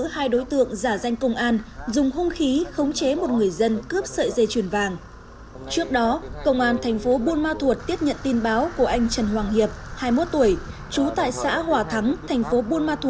hãy đăng ký kênh để nhận thông tin nhất